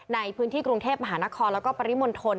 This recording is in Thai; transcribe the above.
ในพื้นที่กรุงเทพมหานครแล้วก็ปริมณฑล